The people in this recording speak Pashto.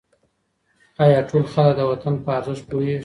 آیا ټول خلک د وطن په ارزښت پوهېږي؟